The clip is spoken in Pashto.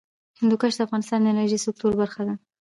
هندوکش د افغانستان د انرژۍ سکتور برخه ده.